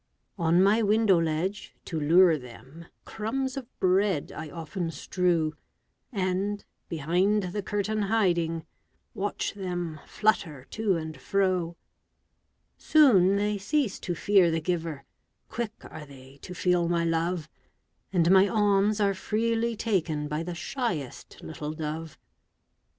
On my window ledge, to lure them, Crumbs of bread I often strew, And, behind the curtain hiding, Watch them flutter to and fro. Soon they cease to fear the giver, Quick are they to feel my love, And my alms are freely taken By the shyest little dove.